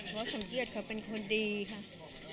เพราะสมเกียจเขาเป็นคนดีค่ะ